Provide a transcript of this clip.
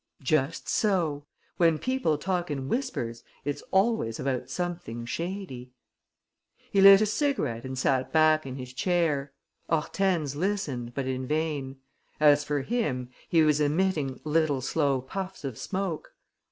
"Just so. When people talk in whispers, it's always about something shady." He lit a cigarette and sat back in his chair. Hortense listened, but in vain. As for him, he was emitting little slow puffs of smoke.